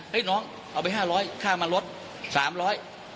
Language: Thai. เฮ้ยน้องเอาไป๕๐๐บาทค่ามาลด๓๐๐บาท